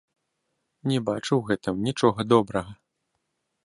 Не бачу ў гэтым нічога добрага.